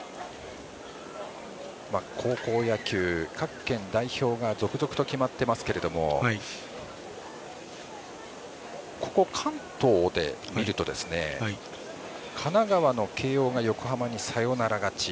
高校野球、各県代表が続々と決まってますけれどもここ関東で見ると神奈川の慶応が横浜にサヨナラ勝ち。